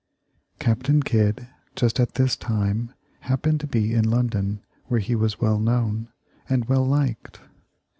Captain Kidd just at this time happened to be in London, where he was well known, and well liked.